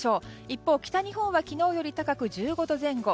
一方、北日本は昨日より高く１５度前後。